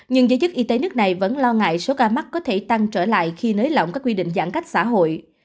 nhưng giới chức y tế nước này vẫn lo ngại số ca mắc có thể tăng trở lại khi nới lỏng các quy định giãn cách xã hội